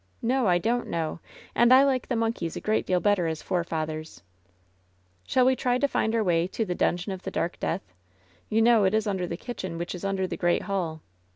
"No, I don't know. And I like the monkeys a great deal better as forefathers !" "Shall we try to find our way to the TDungeon of the Dark Death' ? You know, it is under the kitchen which is under the great hall.